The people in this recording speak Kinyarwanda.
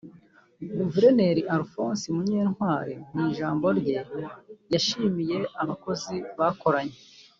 Guverineri Alphonse Munyantwari mu ijambo rye yashimiye abakozi bakoranye